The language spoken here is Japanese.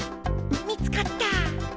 みつかった。